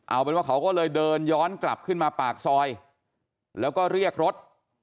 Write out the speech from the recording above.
เอาเป็นว่าเขาก็เลยเดินย้อนกลับขึ้นมาปากซอยแล้วก็เรียกรถ